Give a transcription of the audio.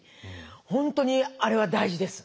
本当にあれは大事です。